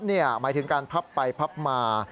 หมายถึงการพับไปพับมา